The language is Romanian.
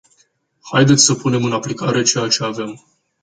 Haideți să punem în aplicare ceea ce avem.